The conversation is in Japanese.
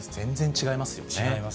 違いますね。